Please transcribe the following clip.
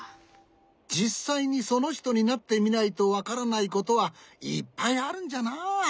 じっさいにそのひとになってみないとわからないことはいっぱいあるんじゃな。